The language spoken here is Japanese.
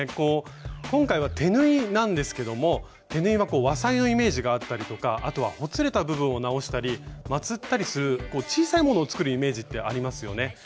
今回は手縫いなんですけども手縫いは和裁のイメージがあったりとかあとはほつれた部分を直したりまつったりする小さいものを作るイメージってありますよね。